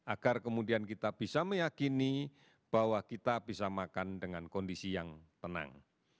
agar kemudian kita bisa meyakini bahwa kita bisa makan dengan kondisi yang tenang